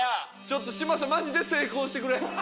ちょっと嶋佐マジで成功してくれ。